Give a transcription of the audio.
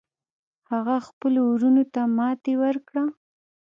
هغه خپلو وروڼو ته ماتې ورکړه.